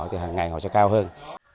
thì hằng ngày họ sẽ cao hơn